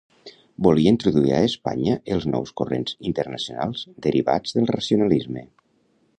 Volia introduir a Espanya els nous corrents internacionals derivats del racionalisme.